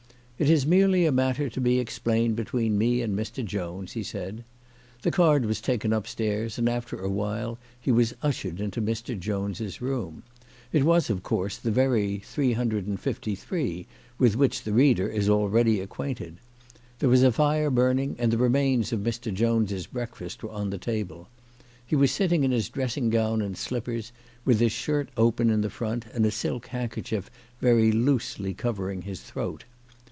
"It is merely a matter to be explained between me and Mr. Jones," he said. The card was taken upstairs, and after awhile he was ushered into Mr. Jones' room. It was, of course, that very 353 with which the reader is already acquainted. There was a fire burning, and the remains of Mr. Jones' breakfast were on the table. He was sitting in his dressing gown and slippers, with his shirt open in the front, and a silk handkerchief very loosely covering his throat.